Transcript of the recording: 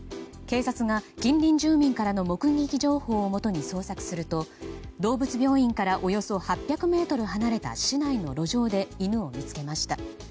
警察が、近隣住民からの目撃情報をもとに捜索すると、動物病院からおよそ８００ｍ離れた市内の路上で犬を見つけました。